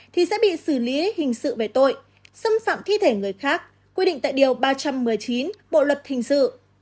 thì sẽ bị xử lý hình sự về tội xâm phạm thi thể người khác quy định tại điều ba trăm một mươi chín bộ luật hình sự